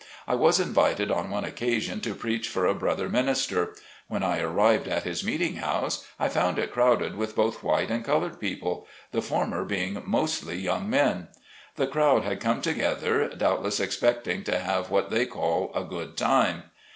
I was invited on one occasion to preach for a brother minister. When I arrived at his meeting house I found it crowded with both white and colored people. The former being mostly young men. The crowd had come together doubtless, expect ing to have what they call a good time.